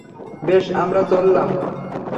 বেশ, আমরা চললাম।